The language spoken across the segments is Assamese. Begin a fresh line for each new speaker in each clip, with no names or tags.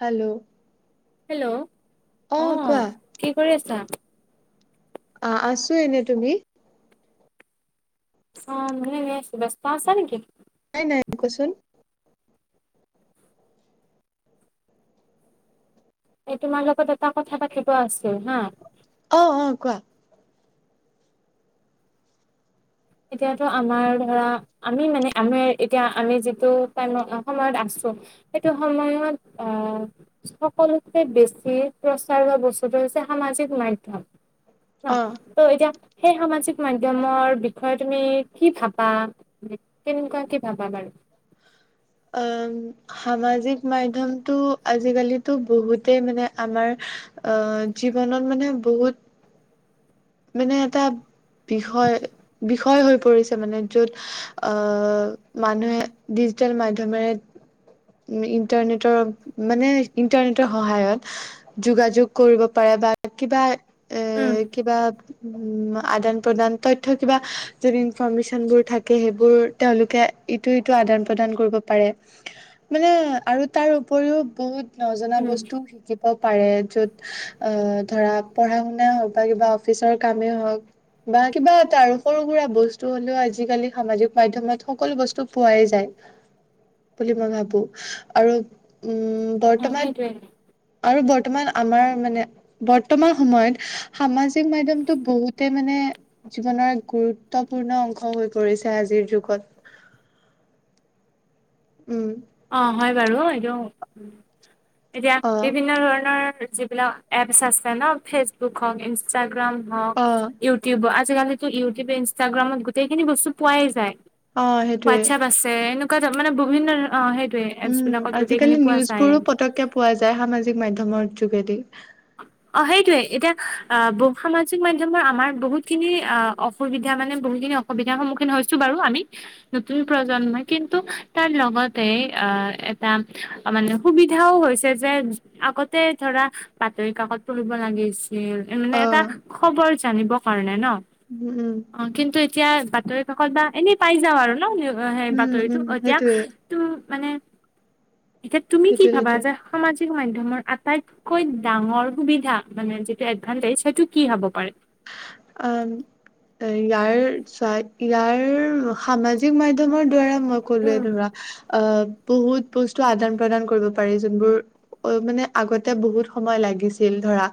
হেল্ল'!
হেল্ল,
অ কোৱা
অঁ কৰি আছা?
অ আছো এনে। তুমি?
অ মইও এনে আছো। ব্যস্ত আছা নেকি?
নাই নাই কোৱাচোন।
এই তোমাৰ লগত এটা কথা পাতিব আছিল হা।
অ অ কোৱা।
এতিয়াতো আমাৰ ধৰা আমি মানে আমি এতিয়া আমি যিটো টাইমত সময়ত আছো। সেইটো সময়ত আ সকলোতকৈ বেছি প্ৰচাৰ হোৱা বস্তুটো হৈছে সামাজিক মাধ্যম।
অ
ত' এতিয়া সেই সামাজিক মাধ্যমৰ বি ষয় তুমি কি ভাবা, কেনেকুৱা কি ভাবা বাৰু?
উম সামাজিক মাধ্যয়মটো আজিকালিতো বহুতেই মানে আমাৰ অ জীৱনত মানে বহুত মানে এটা বিষয়, বিষয় হৈ পৰিছে মানে, য'ত আহ মানুহে ডিজিটেল মাধ্যমৰে ইণ্টাৰনেটৰ মানে ইণ্টাৰনেটৰ সহায়ত যোগাযোগ কৰিব পাৰে বা কিবা এ
উম
কিবা উম আদান প্ৰদান তথ্য কিবা যদি ইনফৰ্মেচনবোৰ থাকে সেইবোৰ তেওঁলোকে ইটো সিটো আদান-প্ৰদান কৰিব পাৰে। মানে আৰু তাৰ উপৰিও বহুত নজনা
উম
বস্তুও শিকিব পাৰে য'ত আহ ধৰা পঢ়া-শুনা হওঁক বা কিবা অফিচৰ কামেই হওঁক বা কিবা এটা আৰু সৰু সুৰা বস্তু হলেও আজিকালি সামাজিক মাধ্যমত সকলো বস্তু পোৱাই যায়। বুলি মই ভাবো আৰু উম
অ
বৰ্তমান
সেইটোৱে
আৰু বৰ্তমান আমাৰ মানে বৰ্তমান সময়ত সামাজিক মাধ্যয়মটো বহুতে মানে জীৱনৰ এক গুৰুত্বপূৰ্ণ অংশ হৈ পৰিছে আজিৰ যুগত উম
অঁ হয় বাৰু এইটো এতিয়া
অ
বিভিন্ন ধৰণৰ যি বিলাক এপছ আছে ন ফেচবুক হওঁক, ইনষ্টাগ্ৰাম হওঁক,
অ
ইউ টিউব আজিকালিতো ইউটিউব, ইনষ্টাগ্ৰামত গোটেইখিনি বস্তু পোৱাই যায়।
অ সেইটোৱে
হোৱাটছএপ আছে এনেকুৱা মানে বিভিন্নে ধৰ অ সেই
উম আজিকালি নিউজ বোৰো পতককে পোৱা যায় সামাজিক মাধ্যয়মৰ যোগেদি
অ সেইটোৱে এতিয়া আহ বহু সামাজিক মাধ্যয়মৰ আমাৰ বহুতখিনি আ অসুবিধা মানে বহুখিনি অসুবিধাৰ সন্মুখীন হৈছো বাৰু আমি নতুন প্ৰজন্মই কিন্তু তাৰ লগতে আহ এটা মানে সুবিধাও হৈছে যে আগতে ধৰা বাতৰি কাকত তুলিব লাগিছিল
অ
মানে এটা খবৰ জানিবৰ কাৰণে ন
উম উম
অ কিন্তু এতিয়া বাতৰি কাকত বা এনেই পাই যাওঁ আৰু ন সেই
উম
বাতৰিতো
উম
এতিয়া
সেইটোৱে
ত মানে এতিয়া তুমি কি
সেইটোৱে
ভাবা
সেইটোৱে
যে সামাজিক মাধ্যয়মৰ আটাইতকৈ ডাঙৰ সুবিধা মানে যিটো এডভাতাইজ সেইটো কি হ'ব পাৰে
আম এ ইয়াৰ ইয়াৰ সামাজিক মাধ্যয়মৰ দ্বাৰা উম মই কলোৱে ধৰা অ বহুত বস্তু আদান- প্ৰদান কৰিব পাৰি যোনবোৰ অ মানে আগতে বহুত সময় লাগিছিল ধৰা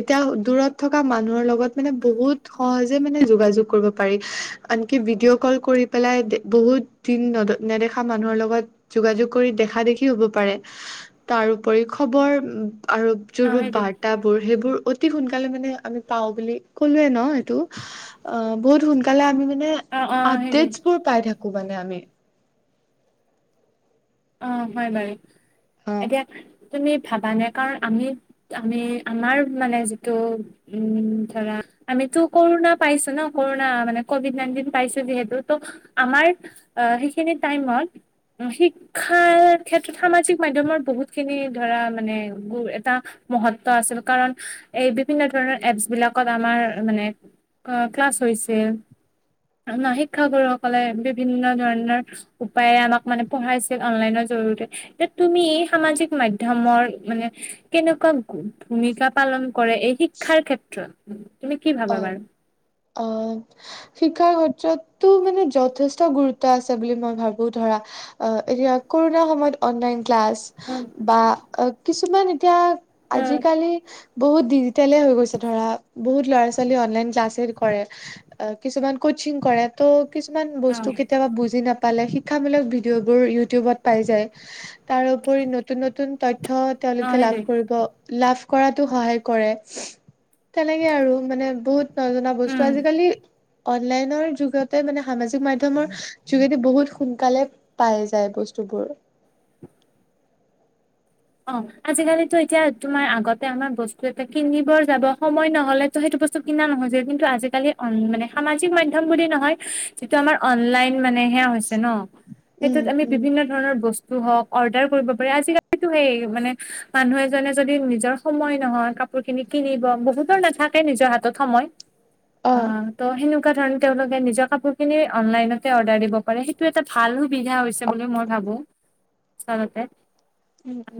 এতিয়া দূৰত থকা মানুহৰ লগত মানে বহুত সহজে মানে যোগাযোগ কৰিব পাৰি। আনকি ভিডিঅ' কল কৰি পেলাই বহুত দিন নদ নেদেখা মানুহৰ লগত যোগাযোগ কৰি দেখা দেখিও হব পাৰে তাৰওপৰি খবৰ আৰু
অ'
যোনবোৰ
সেইটোৱে।
বাৰ্তাবোৰ সেইবোৰ অতি সোনকালে মানে আমি পাওঁ বুলি কলোৱে ন সেইটো অ বহুত সোনকালে আমি মানে
অ', অ' সেইটোৱে
আপদেচবোৰ পাই থাকো মানে আমি
অ হয় বাৰু
অ
এতিয়া তুমি ভাবা নে কাৰণ আমি আমি আমাৰ মানে যিটো উম ধৰা আমিতো ক'ৰোণা পাইছো ন ক'ৰোণা মানে কভিড নাইনটিন পাইছো যিহেতু ত আমাৰ আহ সেইখিনি টাইমত শি ক্ষাৰ ক্ষেত্ৰত সামাজিক মাধ্যয়মৰ বহুত খিনি ধৰা মানে গু এটা মহত্ব আছিল কাৰণ এই বিভিন্ন ধৰণৰ এপচ বিলাকত আমাৰ মানে অ ক্লাছ হৈছিল আমা শিক্ষাগুৰুসকলে বিভিন্ন ধৰণৰ উপায়ে আমাক মানে পঢ়াইছি ছিল অনলাইনৰ জৰিয়তে এতিয়া তুমি সামাজিক মাধ্যয়মৰ মানে কেনেকুৱা ভূমিকা পালন কৰে এই শিক্ষাৰ ক্ষেত্ৰত তুমি কি ভাবা বাৰু?
অঁ। শিক্ষাৰ ক্ষেত্ৰতটো মানে যঠেষ্ট গুৰুত্ব আছে বুলি মই ভাবো ধৰা অঁ এতিয়া কৰোণাৰ সময়ত অনলাইন ক্লাছ
উম
বা অ কিছুমান এতিয়া
উম।
আজিকালি বহুত ডিজিটেলে হৈ গৈছে ধৰা, বহুত ল'ৰা ছোৱালী অনলাইন ক্লাছে কৰে, অ কিছুমান কচিং কৰে ত' কিছুমান
অ
বস্তু কেতিয়াবা বুজি নাপ পালে শিক্ষামূলক ভিডিঅ'বোৰ ইউটিউবত পাই যায়, তাৰোপৰি নতুন নতুন তথ্য
অ',
তেওঁলোকে লাভ
সেইটোৱে
কৰিব, লাভ কৰাতো সহায় কৰে, তেনেকে আৰু। মানে বহুত নজনা বস্তু
উম
আজিকালি অনলাইনৰ যুগতে মানে সামাজিক মাধ্যমৰ যোগেদি বহুত সোনকালে পায় যায় বস্তুবোৰ।
অঁ আজিকালিটো এতিয়া তোমাৰ আগতে আমাৰ, বস্তু এটা কিনিবৰ যাব সময় নহলেতো সেইটো বস্ কিনা নহয় যে, কিন্তু আজিকালি, মানে সামাজিক মাধ্যম বুলি নহয়, যিটো আমাৰ অনলাইন মানেহে হৈছে ন',
উম
সেইটোত আমি
উম
বিভিন্ন ধৰণৰ বস্তু হওঁক, অৰ্ডাৰ কৰিব পাৰি, আজিকালি সেই মানে, মানুহ এজনে যদি নিজৰ সময় নহয়, কাপোৰ খিনি কিনিব বহুতৰ নেথা কে নিজৰ হাতত সময়,
অ
আ ত' সেনেকুৱা ধৰণ তেওঁলোকে নিজৰ কাপোৰ খিনি অনলাইনতে অৰ্ডাৰ দিব পাৰে, সেইটো এটা ভাল সুবিধা হৈছে বুলি মই ভাবো। আচলতে।
উম।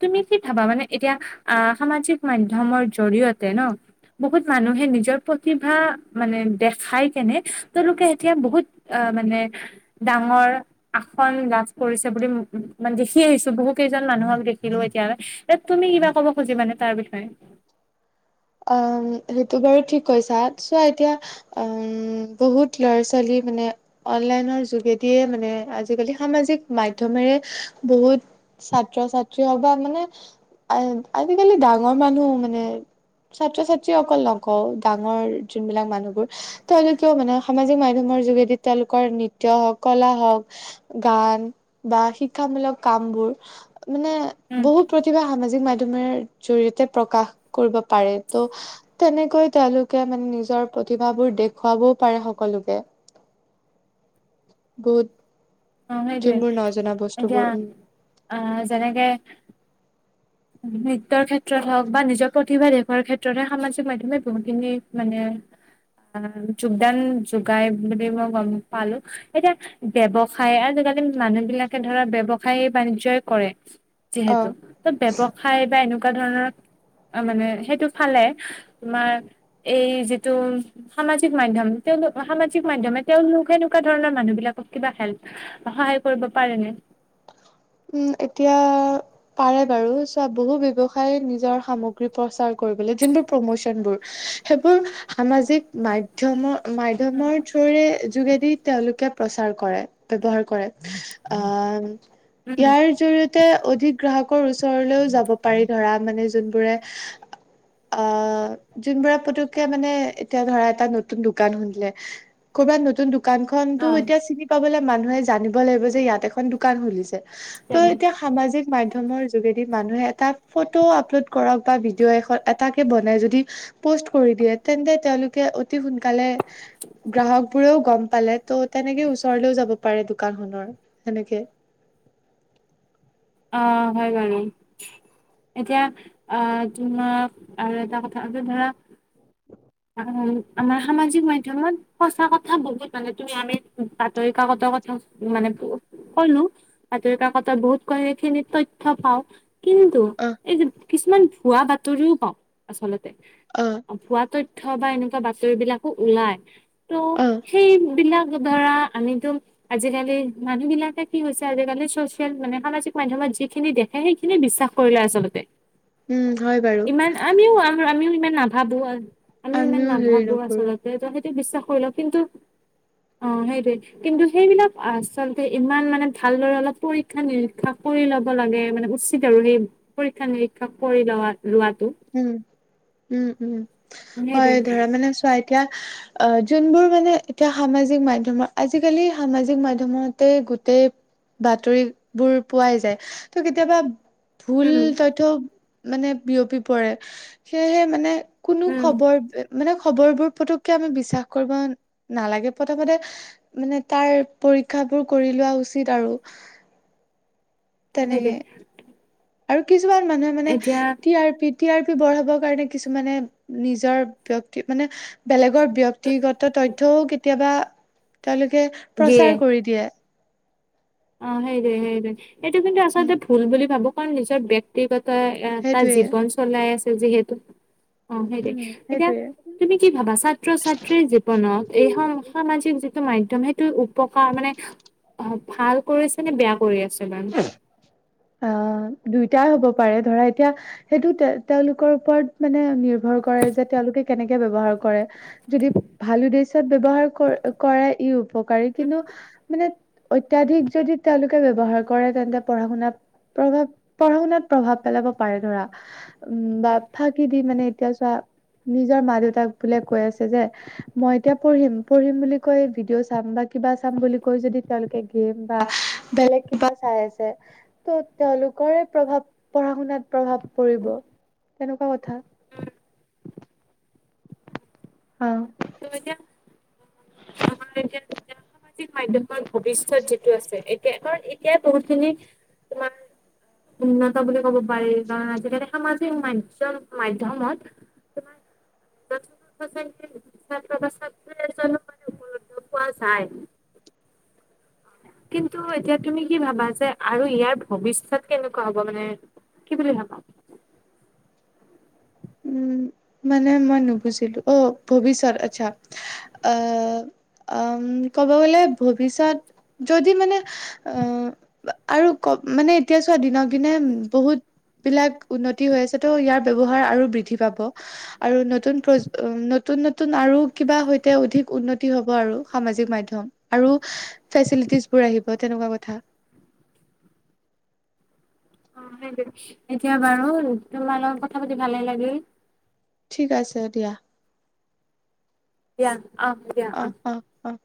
তুমি কি ভাবা? মানে এতিয়া আহ, সামাজিক মাধ্যমৰ জৰিয়তে ন' বহুত মানুহে নিজৰ প্ৰতিভা, মানে দেখাই কেনে তেওঁলোকে এতিয়া বহুত অ', মানে ডাঙৰ আসন লাভ কৰিছে বুলি, মানে দেখি আহিছো, বহুত কেইজন মানুহক দেখিলো এতিয়ালৈ, এ, তুমি কিবা ক'ব খুজিবা নে তাৰ বিষয়ে?
অম সেইটো বাৰু ঠিক কৈছা, চোৱা এতিয়া উম, বহুত ল'ৰা ছোৱালী মানে অনলাইনৰ যোগেদিয়ে মানে, আজিকালি সামাজিক মাধ্যমেৰে বহুত ছাত্ৰ-ছাত্ৰী হওক বা মানে আজিকালি ডাঙৰ মানুহও মানে ছাত্ৰ ছাত্ৰী অকল নকওঁ, ডাঙৰ যোনবিলাক মানুহবোৰ তেওঁলোকেও মানে সামাজিক মাধ্যমৰ যোগেদি, তেওঁলোকৰ নৃত্য হওঁক, কলা হওঁক গান বা শিক্ষামূলক কামবোৰ মানে
উম
বহুত প্ৰতিভা সামাজিক মাধ্যমৰ জৰিয়তে প্ৰকাশ কৰিব পাৰে, ত' তেনেকৈ তেওঁলোকে মানে নিজৰ প্ৰতিভাবোৰ দেখুৱাবও পাৰে সকলোকে।
[inaudible]
বহুত।
অঁ সেইটোৱে,
যোনবোৰ নজনা বস্তুবোৰ
এতিয়া
উম
অ' যেনেকে নৃত্যৰ ক্ষেত্ৰত হওঁক বা নিজৰ প্ৰতিভা দেখোৱাৰ ক্ষেত্ৰতে সামাজিক মাধ্যমে বহুতখিনি মানে যোগদান, যোগাই বুলি মই গম পালো। এতিয়া, ব্যৱসায় আজিকালি, মানুহ বিলাকে ধৰা ব্যৱসায় বাণিজ্যই কৰে
অ
যিহেতু, ত ব্যৱসায় বা এনেকুৱা ধৰণৰ অ', মানে সেইটো ফালে তোমাৰ, এই যিটো সামাজিক মাধ্যম তেওঁলোক, সামাজিক মাধ্যমে তেওঁলোক সেনেকুৱা ধৰণৰ মানুহ বিলাকক কিবা হেল্প সহায় কৰিব পাৰেনে?
উম, এতিয়া পাৰে বাৰু, চোৱা, বহু ব্যৱসায়ীয়ে নিজৰ সামগ্ৰী প্ৰচাৰ কৰিবলৈ, যোনটো প্ৰমোচনবোৰ সেইবোৰ সামাজিক মাধ ধমৰ, মাধ্যমৰ থোৰে, যোগেদি তেওঁলোকে প্ৰচাৰ কৰে, ব্যৱহাৰ কৰে, আহ
উম
ইয়াৰ জৰিয়তে অধিক গ্ৰাহকৰ ওচৰলৈও যাব পাৰি, ধৰা মানে যোনবোৰে আ, যোনবোৰে পুতুককে মানে, এতিয়া ধৰা, এটা নতুন দোকান খুলিলে ক'বাত নতুন দোকান খনটো, এতিয়া চিনি পাবলে মানুহে জানিব লাগিব যে, ইয়াত এখন দোকান খুলিছে,
তেনে
ত' এতিয়া সামাজিক মাধ্যমৰ যোগেদি, মানুহে এটা ফটো আপলোড কৰক বা ভিডিঅ' এখন এটাকে বনায় যদি পষ্ট কৰি দিয়ে, তেন্তে তেওঁলোকে অতি সোনকালে গ্ৰাহক বোৰেও গম পালে ত' তেনেকে ওচৰলেও যাব পাৰে দোকানখনৰ, সেনেকে।
অ', হয় বাৰু। এতিয়া আহ, তোমাক আৰু এটা কথা এতিয়া ধৰা উম, আমাৰ সামাজিক মাধ্যমত সঁচা কথা বহুত মানে, তুমি আমি বাতৰি কাকতৰ কথা মানে কলো বাতৰি কাকত বহুত ক সেইখিনি তথ্য পাওঁ। কিন্তু
অ',
এই কিছুমান ভুৱা বাতৰিও পাওঁ আচলতে,
অ',
ভুৱা ত থ্য বা এনেকুৱা বাতৰি বিলাকো ওলাই, ত'
অ',
সেইবিলাক ধৰা আমিতো আজিকালি মানুহ বিলাকে কি হৈছে আজিকালি, চচিয়েল মানে সামাজিক মাধ্যমত যিখিনি দে সেইখিনি বিশ্বাস কৰি লয় আচলতে।
উম, হয় বাৰু
ইমান আমিও আমিও ইমান নাভাবো, আমিও ইমান
হেৰি
নাভাবো
নকৰো
আচলতে তে সেইটো বিশ্বাস কৰি লও, কিন্তু অ', সেইটোৱে কিন্তু সেইবিলাক আচলতে ইমান মানে ভালদৰে অলপ পৰীক্ষা নিৰীক্ষা কৰি ল'ব লাগে মানে উ উচিত আৰু সেই পৰীক্ষা নিৰীক্ষা কৰি লোৱা, লোৱটো।
উম, উম, উম, হয়
সেইটোৱে
ধৰা মানে চোৱা এতিয়া আ, যোনবোৰ মানে এতিয়া সামাজিক মাধ্যমৰ আজিকালি সামাজিক মাধ্যমতে গোটেই বাতৰি বোৰ পোৱাই যায়, ত কেতিয়াবা ভুল
উম
তথ্য মানে বিয়পি পৰে, সেয়েহে মানে কোনো
উম
খবৰ মানে খবৰবোৰ পোটোকে আমি বিশ্বাস কৰিব নালাগে, প্ৰথমতে মানে তাৰ পৰীক্ষাবোৰ কৰি লোৱা উচিত আৰু। তেনেকে
[unintelligible]
আৰু কিছুমান মানুহে মানে
এতিয়া
টি আৰ পিত টি আৰ পি বঢ়াবৰ কাৰণে কিছুমানে নিজৰ ব্যক্তি মানে বেলেগৰ ব্যক্তিগত তথ্যও কেতিয়াবা তেওঁলোকে
দিয়ে
প্ৰচাৰ কৰি দিয়ে।
অ', সেইটোৱে সেইটোৱে এইটো কিন্তু
উম
আচলতে ভুল বুলি ভাবো, কাৰণ নিজৰ ব্যক্তিগত এ তাৰ
সেইটোৱে
জীৱন চলাই আছে যিহেতু অ', সেইটোৱেই।
উম
এতিয়া
সেইটোৱে
তুমি কি ভাবা, ছাত্ৰ ছাত্ৰীৰ জীৱনত এই স-সামাজিক টো মাধ্যম সেইটো উপকাৰ মানে ভাল কৰিছে নে, বেয়া কৰি আছে মানে? [inaudible]
অ', দুইটাই হ'ব পাৰে, ধৰা এতিয়া সেইটো তে-তেওঁলোকৰ ওপৰত মানে নিৰ্ভৰ কৰে, যে তেওঁলোকে কেনেকে ব্যৱহাৰ কৰে। যদি ভাল উদ্দেশ্যত ব্যবহাৰ ক- কৰে ই উপকাৰী, কিন্তু মানে অত্যাধিক যদি তেওঁলোকে ব্যবহাৰ কৰে তেন্তে পঢ়া-শুনাত প্ৰভাৱ পঢ়া-শুনাত প্ৰভাৱ পেলাব পাৰে ধৰা। উম, বা ফাঁকি দি মানে এতিয়া চোৱা নিজৰ মা দেউতাক বোলে কৈ আছে যে মই এতিয়া পঢ়িম পঢ়িম বুলি কৈ ভিডিঅ' চাম বা কিবা চাম বুলি কৈ যদি তেওঁলোকে গে'ম বা বেলেগ কিবা চাই আছে, ত' তেওঁলোকৰে প্ৰভাৱ পঢ়া শুনাত প্ৰভাৱ পৰিব। তেনেকুৱা কথা। অ'।
ত' এতিয়া স্কুল খুলিলে এতিয়া সামাজিক মাধ্যমৰ ভৱিষ্যত যিটো আছে, এতিয়া এতিয়া বহুত খিনি তোমাৰ উন্নত বুলি ক'ব পাৰি, কাৰণ আজিকালি সামাজিক মাধ মাধ্যমত তোমাৰ মানোৱাায় [unintelligible] কিন্তু এতিয়া তুমি কি ভাবা যে আৰু ইয়াৰ ভৱিষ্যত কেনেকুৱা হ'ব মানে কি বুলি ভাবা?
উম, মানে মই নুবুজিলো, অ' ভৱিষ্যত আচ্ছা আহ উম, ক'ব গ'লে ভৱিষ্যত যদি মানে আহ আৰু ক মানে এতিয়া চোৱা দিনক দিনে বহুত বিলাক উন্নতি হৈ আছে, ত' ইয়াৰ ব্যবহাৰ আৰু বৃদ্ধি পাব। আৰু নতুন নতুন আৰু কিবা সৈতে অধিক উন্নতি হ'ব আৰু সামাজিক মাধ্যম। আৰু ফেচিলিটিজ বোৰ আহিব তেনেকুৱা কথা।
অ' সেইটো, এতিয়া বাৰু তোমাৰ লগত কথা পাতি ভালে লাগিল।
ঠিক আছে দিয়া।
ইয়াত, অ'।
অ', অ', অ'।